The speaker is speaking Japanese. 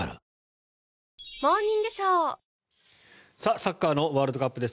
サッカーのワールドカップです。